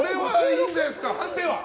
判定は？